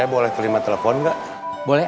ya udah kamu berempat nyerang duluan